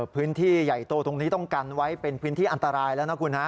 พื้นที่ใหญ่โตตรงนี้ต้องกันไว้เป็นพื้นที่อันตรายแล้วนะคุณฮะ